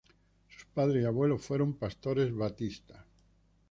Sus padres y abuelos fueron pastores baptistas.